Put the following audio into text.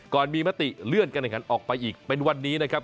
มีมติเลื่อนการแข่งขันออกไปอีกเป็นวันนี้นะครับ